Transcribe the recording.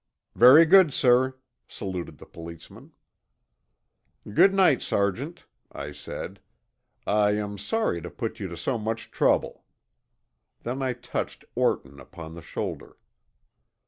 "Very good, sir," saluted the policeman. "Good night, Sergeant," I said. "I am sorry to put you to so much trouble." Then I touched Orton upon the shoulder.